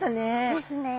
ですね。